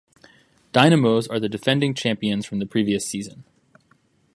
Dynamos are the defending champions from the previous season.